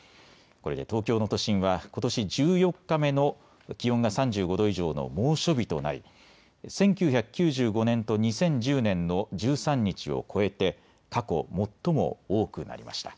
これで東京の都心はことし１４日目の気温が３５度以上の猛暑日となり１９９５年と２０１０年の１３日を超えて過去最も多くなりました。